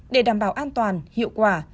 để đảm bảo an toàn hiệu quả